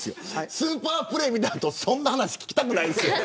スーパープレーを見た後そんな話、聞きたくないです。